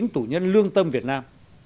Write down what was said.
một trăm sáu mươi chín tù nhân lương tâm việt nam